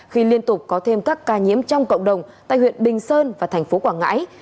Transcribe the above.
khi liên tục có thêm các ca nhiễm trong cộng đồng tại huyện bình sơn và thành phố quảng ngãi